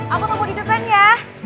aku nunggu di depan ya